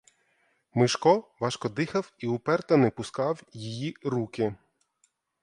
Мишко важко дихав і уперто не пускав її руки.